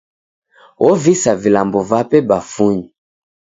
Ovisa vilambo vape bafunyi.